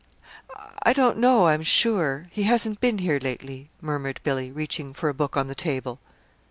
"I don't know, I'm sure. He hasn't been here lately," murmured Billy, reaching for a book on the table.